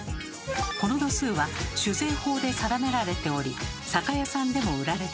この度数は酒税法で定められており酒屋さんでも売られています。